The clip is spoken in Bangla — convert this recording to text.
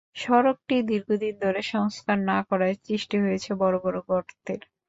সড়কটি দীর্ঘদিন ধরে সংস্কার না করায় সৃষ্টি হয়েছে বড় বড় গর্তের।